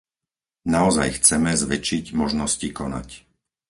Naozaj chceme zväčšiť možnosti konať.